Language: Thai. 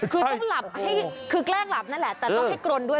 หรือคือกล้างหลับนั่นแหละแต่ต้องให้กรนด้วย